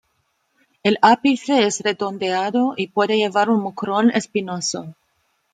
El ápice es redondeado y puede llevar un mucrón espinoso.